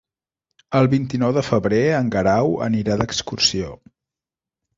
El vint-i-nou de febrer en Guerau anirà d'excursió.